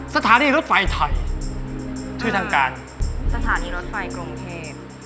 สถานีรถไฟไทยชื่อทางการสถานีรถไฟกรุงเทพ